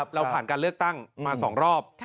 เราผ่านการเลือกตั้งมา๒รอบ